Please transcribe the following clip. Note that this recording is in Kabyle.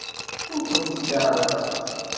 Ur kent-id-ɛerrḍeɣ.